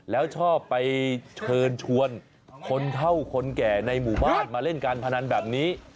แล้วชอบไปเชิญชวนคนเท่าคนแก่ในหมู่บ้านมาเล่นการพนันแบบนี้